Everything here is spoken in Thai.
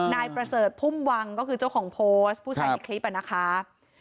นายประเสริฐพุ่มวังก็คือเจ้าของโพสต์ผู้ชายในคลิปนะคะ